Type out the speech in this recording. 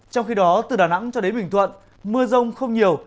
trong khi đó từ đà nẵng cho đến bình thuận mưa rông không nhiều